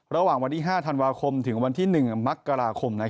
ระหว่างวันที่๕ธันวาคมถึงวันที่๑มกราคม